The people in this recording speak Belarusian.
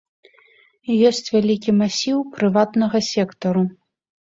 Ёсць вялікі масіў прыватнага сектару.